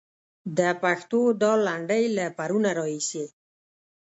د پښتو دا لنډۍ له پرونه راهيسې.